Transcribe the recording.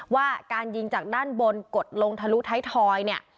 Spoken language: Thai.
ว่าการยิงจากด้านบนกดลงทะลุท้ายทอยเนี่ย